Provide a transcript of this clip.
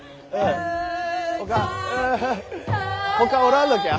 ほかほかおらんのきゃ？